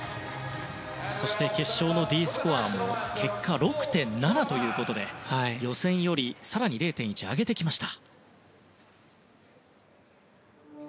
そして決勝のＤスコアも結果６．７ということで予選より更に０．１上げてきました。